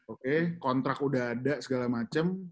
oke kontrak udah ada segala macem